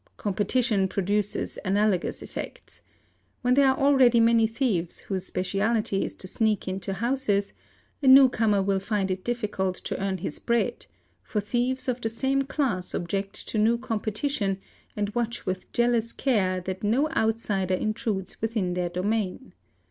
Competition produces analogous effects. When there — are already many thieves whose speciality is to sneak into houses, a new — comer will find it difficult to earn his bread, for thieves of the same class object to new competition and watch with jealous care that no outsider intrudes within their domain.